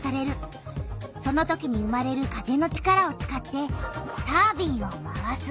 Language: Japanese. そのときに生まれる風の力を使ってタービンを回す。